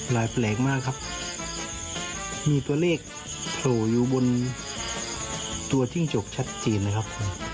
แปลกมากครับมีตัวเลขโผล่อยู่บนตัวจิ้งจกชัดเจนนะครับ